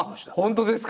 本当ですか！